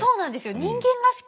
人間らしくて。